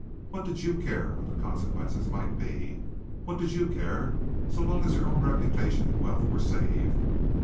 What did you care what the consequences might be! What did you care, so long as your own reputation and wealth were saved!